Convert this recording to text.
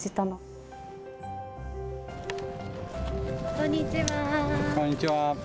こんにちは。